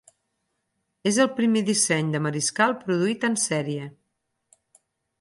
És el primer disseny de Mariscal produït en sèrie.